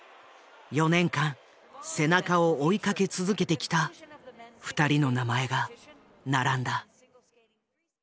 ４年間背中を追いかけ続けてきた２人の名前が並んだ。